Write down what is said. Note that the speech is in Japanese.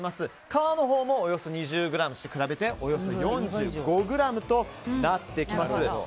皮のほうも、およそ２０ｇと比べて４５ｇとなってきます。